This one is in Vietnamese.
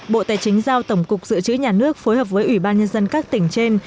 bộ tài chính giao tổng cục dự trữ nhà nước phối hợp với ủy ban nhân dân các tỉnh trên